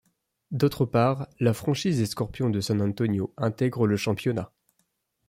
D'autre part, la franchise des Scorpions de San Antonio intègre le championnat.